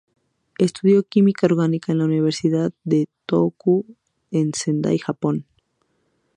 Estudió Química orgánica en la Universidad de Tohoku en Sendai, Japón.